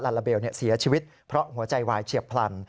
ลาลาเบลเสียชีวิตเพราะหัวใจวายเฉียบพลัน